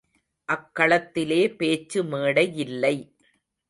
அக் களத்திலே பேச்சு மேடையில்லை.